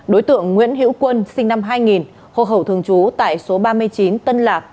đối tượng nguyễn hữu quân sinh năm hai nghìn hộ khẩu thường trú tại số ba mươi chín tân lạc